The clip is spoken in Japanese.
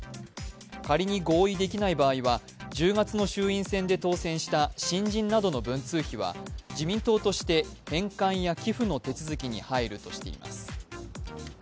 仮に合意できない場合は、１０月の衆院選で当選した新人などの文通費は自民党として返還や寄付の手続きに入るとしています。